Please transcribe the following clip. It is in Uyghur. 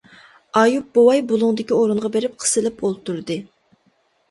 ئايۇپ بوۋاي بۇلۇڭدىكى ئورۇنغا بېرىپ قىسىلىپ ئولتۇردى.